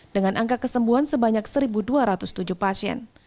dengan angka kesembuhan sebanyak satu dua ratus tujuh pasien